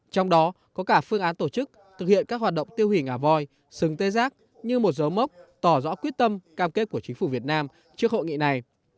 trong đó có cả phương án tổ chức thực hiện các hoạt động tiêu hủy ngà voi sừng tê giác như một dấu mốc tỏ rõ quyết tâm cam kết của chính phủ việt nam trước hội nghị này